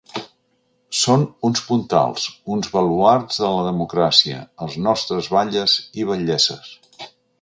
Són uns puntals, uns baluards de la democràcia, els nostres batlles i batllesses.